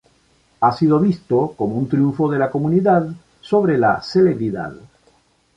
Ha sido visto como un triunfo de la comunidad sobre la celebridad.